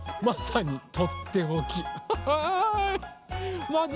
まさにとっておき。